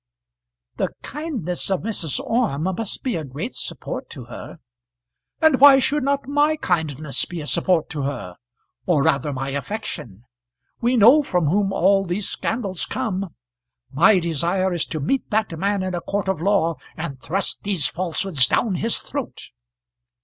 "The kindness of Mrs. Orme must be a great support to her." "And why should not my kindness be a support to her, or rather my affection? We know from whom all these scandals come. My desire is to meet that man in a court of law and thrust these falsehoods down his throat."